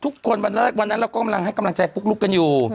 คนวันแรกวันนั้นเราก็กำลังให้กำลังใจปุ๊กลุ๊กกันอยู่